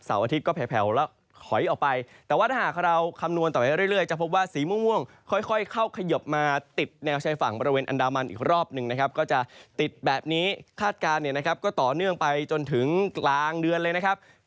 อาทิตย์ก็แผลวแล้วถอยออกไปแต่ว่าถ้าหากเราคำนวณต่อไปเรื่อยจะพบว่าสีม่วงค่อยเข้าขยบมาติดแนวชายฝั่งบริเวณอันดามันอีกรอบหนึ่งนะครับก็จะติดแบบนี้คาดการณ์เนี่ยนะครับก็ต่อเนื่องไปจนถึงกลางเดือนเลยนะครับ